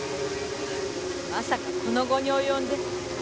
まさかこの期に及んで。